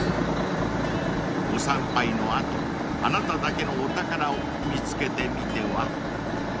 ［ご参拝の後あなただけのお宝を見つけてみては］